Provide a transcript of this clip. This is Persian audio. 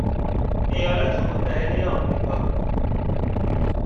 ایالات متحده امریکا